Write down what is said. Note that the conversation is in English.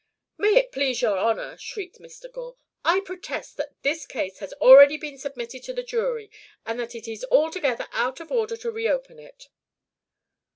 "May it please your honour," shrieked Mr. Gore, "I protest that this case has already been submitted to the jury, and that it is altogether out of order to reopen it."